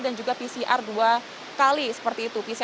dan juga pcr dua hari